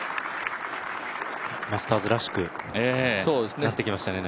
マスターズらしく、今日なってきましたね。